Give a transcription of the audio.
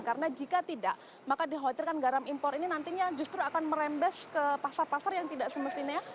karena jika tidak maka dikhawatirkan garam impor ini nantinya justru akan merembes ke pasar pasar yang tidak semestinya